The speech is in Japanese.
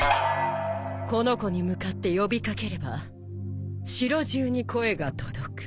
この子に向かって呼び掛ければ城中に声が届く。